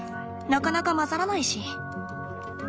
なかなか混ざらないし。